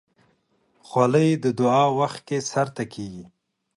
خولۍ د دعا وخت کې سر ته کېږي.